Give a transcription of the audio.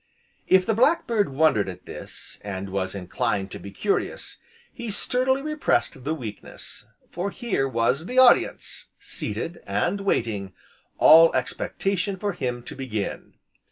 If the Black bird wondered at this, and was inclined to be curious, he sturdily repressed the weakness, for here was the audience seated, and waiting all expectation for him to begin.